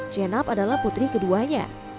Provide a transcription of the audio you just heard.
jenab adalah putri keduanya